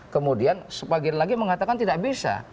kemudian sebagian lagi mengatakan tidak bisa